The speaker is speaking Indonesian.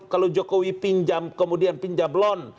kalau jokowi pinjam kemudian pinjam blon